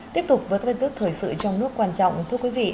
tiếp tục với các viên tước thời sự trong nước quan trọng thưa quý vị